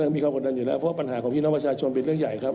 มีความกดดันอยู่แล้วเพราะปัญหาของพี่น้องประชาชนเป็นเรื่องใหญ่ครับ